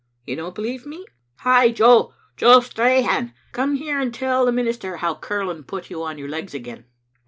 You don't believe me? Hie, Jo, Jo Strachan, come here and tell the min ister how curling put you on your legs again."